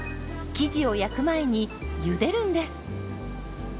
生地を焼く前にゆでるんです。